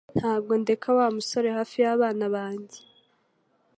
Ntabwo ndeka Wa musore hafi yabana banjye